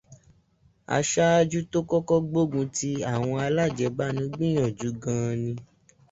Aṣaájú tó kọ́kọ́ gbógun tí àwọn alájẹbánu gbìyànjú gan ni.